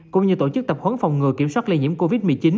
cũng như tổ chức tập huấn phòng ngừa kiểm soát lây nhiễm covid một mươi chín